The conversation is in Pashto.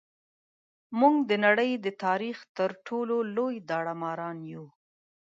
موږ د نړۍ د تاریخ تر ټولو لوی داړه ماران یو.